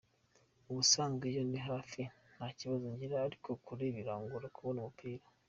Ubusanzwe iyo ndi hafi, nta kibazo ngira, ariko kure birangora kubona umupira.